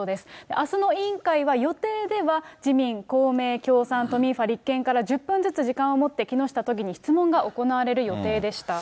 あすの委員会は、予定では自民、公明、共産、都民ファ、立憲から１０分ずつ時間を持って、木下都議に質問が行われる予定でした。